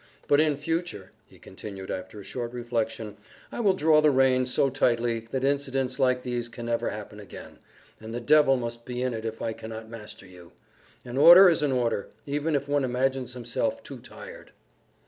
But in future," he continued after a short reflection, "I will draw the reins so tightly that incidents like these can never happen again, and the devil must be in it if I can not master you. An order is an order, even if one imagines himself too tired."